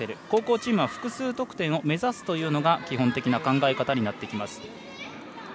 後攻チームは複数得点を目指すというのが基本的な考え方になってきます。